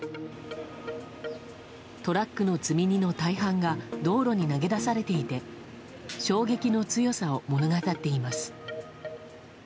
トラックの積み荷の大半が道路に投げ出されていて衝撃の強さを物語っています。